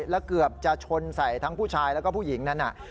แล้วเกือบจะชนใส่ทั้งผู้ชายแล้วก็ผู้หญิงนั้น